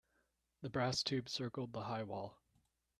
The brass tube circled the high wall.